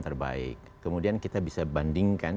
terbaik kemudian kita bisa bandingkan